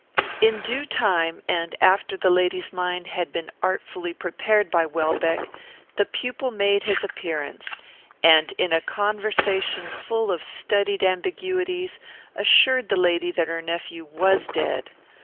"In due time, and after the lady's mind had been artfully prepared by Welbeck, the pupil made his appearance; and, in a conversation full of studied ambiguities, assured the lady that her nephew was dead.